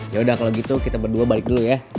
yaudah kalau gitu kita berdua balik dulu ya